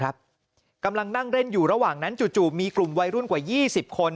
กำลังนั่งเล่นอยู่ระหว่างนั้นจู่มีกลุ่มวัยรุ่นกว่า๒๐คน